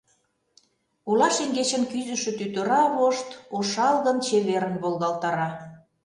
Ола шеҥгечын кӱзышӧ тӱтыра вошт ошалгын-чеверын волгалтара.